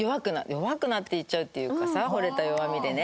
弱くなっていっちゃうっていうかさほれた弱みでね。